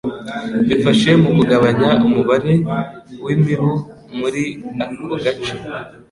bifashe mu kugabanya umubare w'imibu muri ako gace.